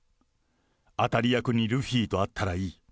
当たり役にルフィとあったらいい。